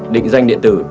định danh điện tử